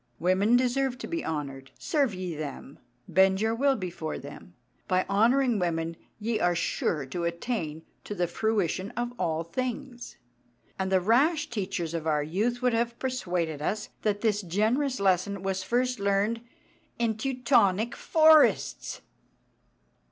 Women deserve to be honoured. Serve ye them. Bend your will before them. By honouring women ye are sure to attain to the fruition of all things." And the rash teachers of our youth would have persuaded us that this generous lesson was first learnt in Teutonic forests!